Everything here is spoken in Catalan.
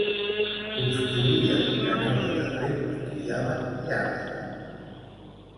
Construïen canals de reg i criaven llames.